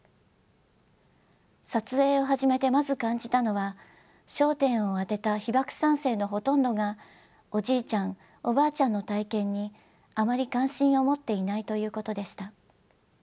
撮影を始めてまず感じたのは焦点を当てた被爆三世のほとんどがおじいちゃんおばあちゃんの体験にあまり関心を持っていないということでした。